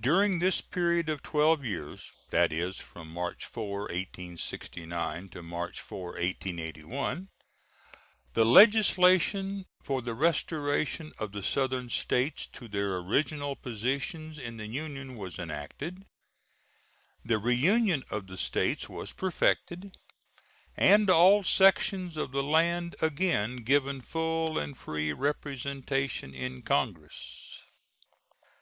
During this period of twelve years that is, from March 4, 1869, to March 4, 1881 the legislation for the restoration of the Southern States to their original positions in the Union was enacted, the reunion of the States was perfected, and all sections of the land again given full and free representation in Congress.